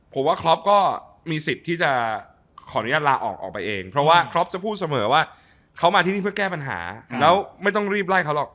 ผมว่าครอปก็มีสิทธิ์ที่จะขออนุญาตลาออกออกไปเองเพราะว่าครอปจะพูดเสมอว่าเขามาที่นี่เพื่อแก้ปัญหาแล้วไม่ต้องรีบไล่เขาหรอก